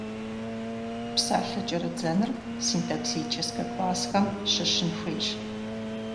Псалъэ кӏэрыдзэныр синтаксическэ классхэм щыщын хуейщ.